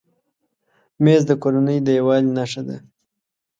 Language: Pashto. مېز د کورنۍ د یووالي نښه ده.